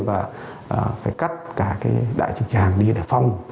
và phải cắt cả cái đại trực tràng đi đà phong